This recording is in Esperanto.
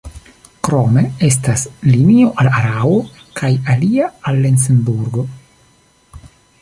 Krome estas linio al Araŭo kaj alia al Lencburgo.